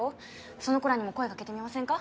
その子らにも声かけてみませんか？